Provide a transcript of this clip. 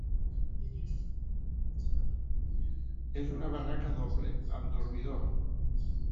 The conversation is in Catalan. És una barraca doble, amb dormidor.